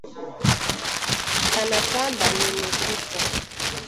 Kana kwamba nimekufa